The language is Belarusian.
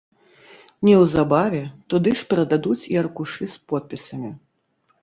Неўзабаве туды ж перададуць і аркушы з подпісамі.